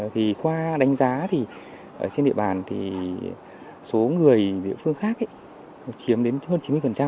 thì qua đánh giá thì trên địa bàn thì số người địa phương khác ấy chiếm đến hơn chín mươi